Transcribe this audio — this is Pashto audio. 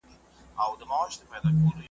خبردار چي نوم د قتل څوك ياد نه كړي `